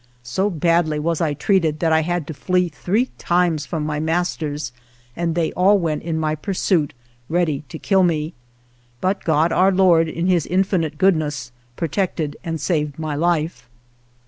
So badly was I treated that I had to flee three times from my masters, and they all went in my pursuit ready to kill me. But God, Our Lord, in His infinite goodness, protected and saved my life.